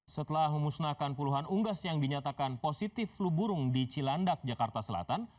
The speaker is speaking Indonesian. setelah memusnahkan puluhan unggas yang dinyatakan positif flu burung di cilandak jakarta selatan